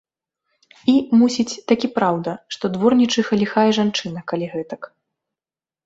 І, мусіць, такі праўда, што дворнічыха ліхая жанчына, калі гэтак.